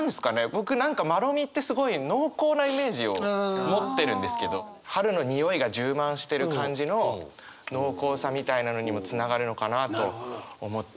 僕何かまろみってすごい濃厚なイメージを持ってるんですけど春のにおいが充満してる感じの濃厚さみたいなのにもつながるのかなと思って。